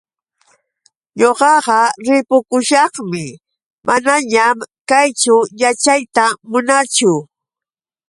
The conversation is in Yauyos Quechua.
Ñuqaqa ripukushaqmi, manañan kayćhu yaćhayta munaachu.